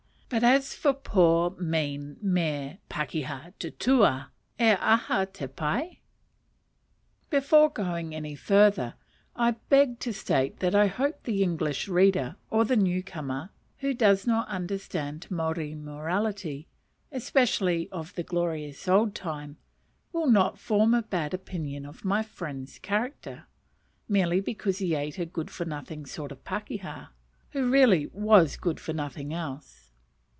But as for poor, mean, mere Pakeha tutua, e aha te pai? Before going any farther I beg to state that I hope the English reader or the new comer, who does not understand Maori morality especially of the glorious old time will not form a bad opinion of my friend's character, merely because he ate a good for nothing sort of pakeha, who really was good for nothing else.